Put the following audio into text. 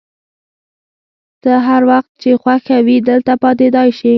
ته هر وخت چي خوښه وي دلته پاتېدای شې.